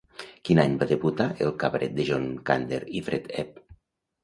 Quin any va debutar el Cabaret de John Kander i Fred Ebb?